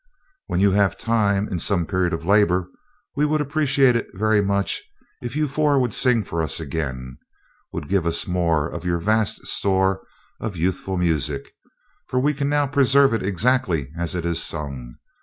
"When you have time, in some period of labor, we would appreciate it very much if you four would sing for us again, would give us more of your vast store of youthful music, for we can now preserve it exactly as it is sung.